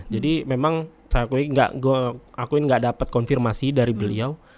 jadi memang saya akuin enggak dapet konfirmasi dari beliau